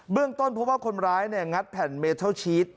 เรื่องต้นเพราะว่าคนร้ายงัดแผ่นเมทัลชีส